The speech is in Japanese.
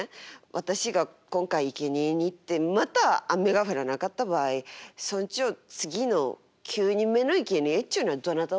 私が今回いけにえに行ってまた雨が降らなかった場合村長次の９人目のいけにえっちゅうのはどなたをお考えですの？